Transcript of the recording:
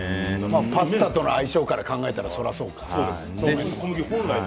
パスタとの相性考えたらそれはそうか。